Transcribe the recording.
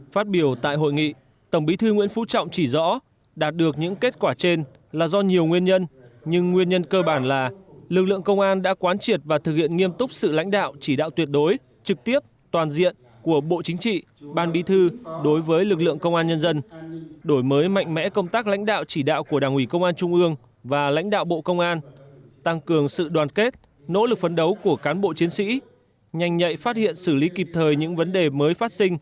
phát biểu tại hội nghị tổng bí thư nguyễn phú trọng chỉ rõ đạt được những kết quả trên là do nhiều nguyên nhân nhưng nguyên nhân cơ bản là lực lượng công an đã quán triệt và thực hiện nghiêm túc sự lãnh đạo chỉ đạo tuyệt đối trực tiếp toàn diện của bộ chính trị ban bí thư đối với lực lượng công an nhân dân đổi mới mạnh mẽ công tác lãnh đạo chỉ đạo của đảng ủy công an trung ương và lãnh đạo bộ công an tăng cường sự đoàn kết nỗ lực phấn đấu của cán bộ chiến sĩ nhanh nhạy phát hiện xử lý kịp thời những vấn đề mới phát